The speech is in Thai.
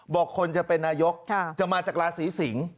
บอกคนจะเป็นนายกจะมาจากราศีสิงศ์